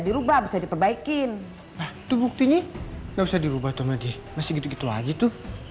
dirubah bisa diperbaikin tuh buktinya nggak bisa dirubah sama dia masih gitu gitu aja tuh